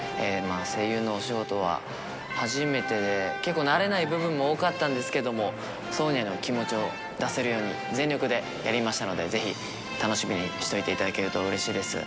声優のお仕事は初めてで結構慣れない部分も多かったんですけどもソーニャの気持ちを出せるように全力でやりましたのでぜひ楽しみにしておいていただけるとうれしいです。